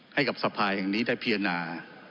ให้กับสภาอยังนี้ได้พินา